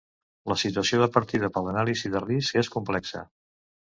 La situació de partida per l’anàlisi de riscs és complexa.